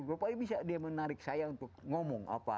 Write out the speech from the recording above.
pokoknya bisa dia menarik saya untuk ngomong apa